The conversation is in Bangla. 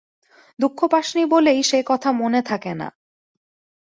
দুঃখ পাস নি বলেই সে কথা মনে থাকে না।